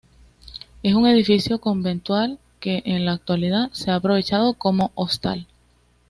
Es un edificio conventual que en la actualidad se ha aprovechado como hostal.